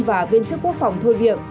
và viên chức quốc phòng thô việc